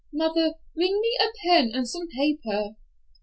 Mother, bring me a pen and some paper."